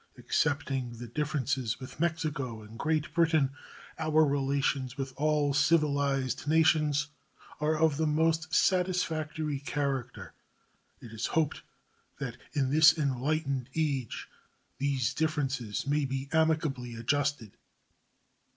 Excepting the differences with Mexico and Great Britain, our relations with all civilized nations are of the most satisfactory character. It is hoped that in this enlightened age these differences may be amicably adjusted.